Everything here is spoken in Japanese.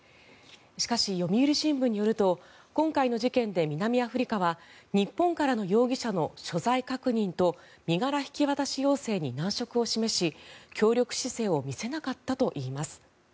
しかし、読売新聞によると今回の事件で南アフリカは日本からの容疑者の所在確認と身柄引き渡し要請に難色を示し、協力姿勢を見せなかったといいます。